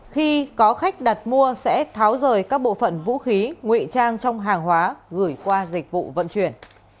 khi có khách đặt mua sẽ tháo rời các bộ phận vũ khí nguy trang trong hàng hóa gửi qua dịch vụ vận chuyển